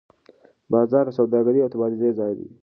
بازار د سوداګرۍ او تبادلې ځای دی.